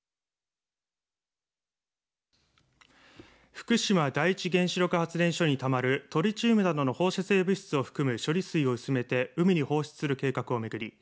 福島第一原子力発電所にたまるトリチウムなどの放射性物質を含む処理水を薄めて海に放出する計画を巡り